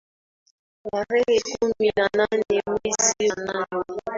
Tarehe kumi na nane mwezi wa nane